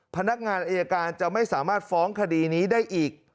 พนักงานอายการจะไม่สามารถฟ้องคดีนี้ได้อีก